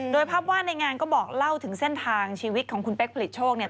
โดยภาพวาดในงานก็บอกเล่าถึงเส้นทางชีวิตของคุณเป๊กผลิตโชคเนี่ย